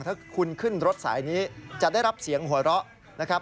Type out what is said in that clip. ถ้าคุณขึ้นรถสายนี้จะได้รับเสียงหัวเราะนะครับ